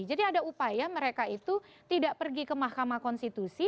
jadi ada upaya mereka itu tidak pergi ke mahkamah konstitusi